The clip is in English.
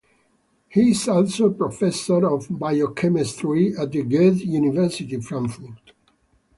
He is also professor of biochemistry at the Goethe University Frankfurt.